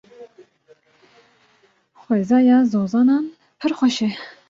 Xwezaya zozanan pir xweş e.